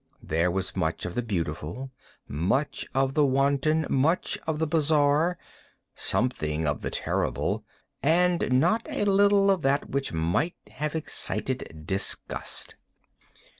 There was much of the beautiful, much of the wanton, much of the bizarre, something of the terrible, and not a little of that which might have excited disgust.